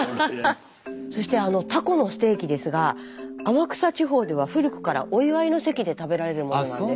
そしてあのタコのステーキですが天草地方では古くからお祝いの席で食べられるものなんです。